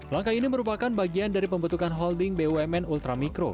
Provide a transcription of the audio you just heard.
langkah ini merupakan bagian dari pembentukan holding bumn ultramikro